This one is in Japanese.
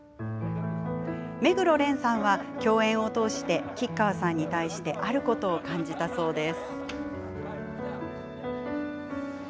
目黒蓮さんは、共演を通し吉川さんに対してあることを感じたそうです。